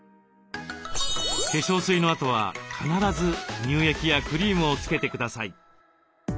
化粧水のあとは必ず乳液やクリームをつけてください。